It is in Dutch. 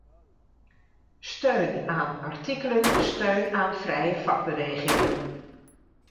Steun aan -artikelen, steun aan vrije vakbewegingen.